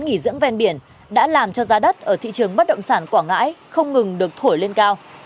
nghỉ dưỡng ven biển đã làm cho giá đất ở thị trường bất động sản quảng ngãi không ngừng được thổi lên cao